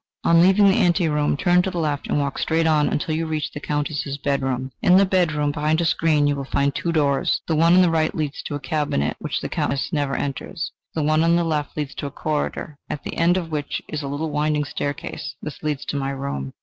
On leaving the ante room, turn to the left, and walk straight on until you reach the Countess's bedroom. In the bedroom, behind a screen, you will find two doors: the one on the right leads to a cabinet, which the Countess never enters; the one on the left leads to a corridor, at the end of which is a little winding staircase; this leads to my room."